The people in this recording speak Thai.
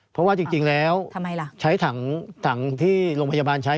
เพราะว่าจริงแล้วใช้ถังที่โรงพยาบาลใช้